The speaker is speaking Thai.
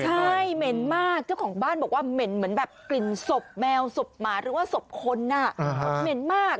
ใช่เหม็นมากเจ้าของบ้านบอกว่าเหม็นเหมือนแบบกลิ่นศพแมวศพหมาหรือว่าศพคนเหม็นมาก